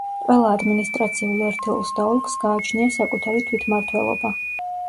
ყველა ადმინისტრაციულ ერთეულს და ოლქს გააჩნია საკუთარი თვითმართველობა.